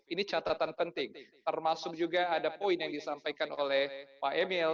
ini catatan penting termasuk juga ada poin yang disampaikan oleh pak emil